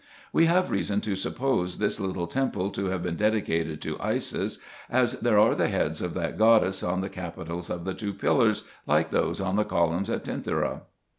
We have reason to suppose this little temple to have been dedicated to Isis, as there are the heads of that goddess on the capitals of the two pillars, like those on the columns at Tentyra.